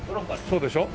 そうでしょ？